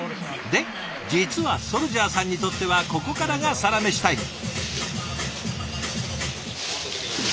で実はＳＯＵＬＪＡＨさんにとってはここからがサラメシタイム。